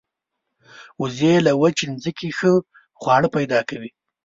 وزې له وچې ځمکې ښه خواړه پیدا کوي